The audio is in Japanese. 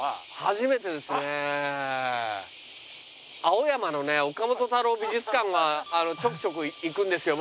青山のね岡本太郎美術館がちょくちょく行くんですよ